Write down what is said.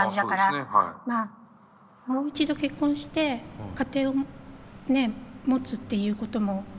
もう一度結婚して家庭を持つっていうこともできる。